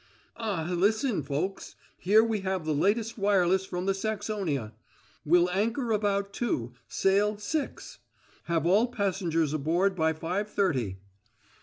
"Ah, listen, folks! Here we have the latest wireless from the Saxonia. 'Will anchor about two sail six. Have all passengers aboard by five thirty.'"